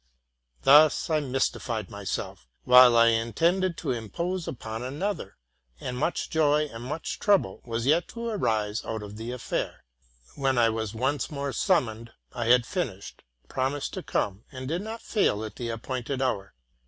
'Thus I mystified my self, while 1 intended to impose upon another ; and much joy and much trouble was yet to arise out of the affair. When I was once more summoned, I had finished, promised to come, and did not fail at the appointed hour.